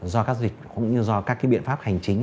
do các dịch cũng như do các biện pháp hành chính